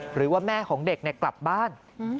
หรือว่าแม่ของเด็กกลับบ้าน